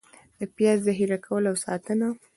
د پیاز ذخېره کول او ساتنه: